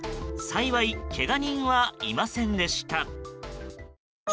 幸いけが人はいませんでした。